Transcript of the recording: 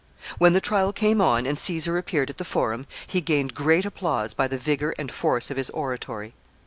When the trial came on, and Caesar appeared at the Forum, he gained great applause by the vigor and force of his oratory.